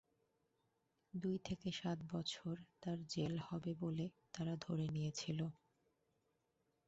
দুই থেকে সাত বছর তাঁর জেল হবে বলে তাঁরা ধরে নিয়েছিলেন।